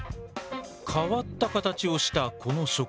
変わった形をしたこの植物。